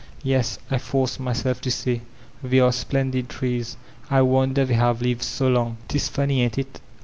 "Yes," I forced myself to say, "they are splendid trees. I wonder they have lived so long." "Tis funny, aint it?